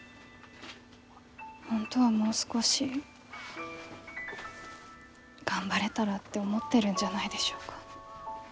本当はもう少し頑張れたらって思ってるんじゃないでしょうか？